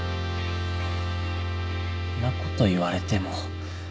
んなこと言われても。